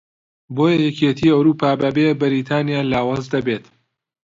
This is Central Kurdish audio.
بۆیە یەکێتی ئەوروپا بەبێ بەریتانیا لاواز دەبێت